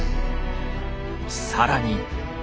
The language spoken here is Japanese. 更に。